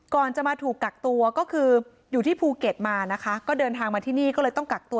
ก่อนจะมาถูกกักตัวก็คืออยู่ที่ภูเก็ตมานะคะก็เดินทางมาที่นี่ก็เลยต้องกักตัว